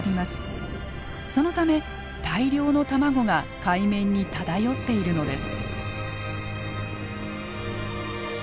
そのため大量の卵が海面に漂っているのです。